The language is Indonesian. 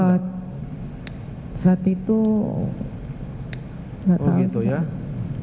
saat itu enggak tahu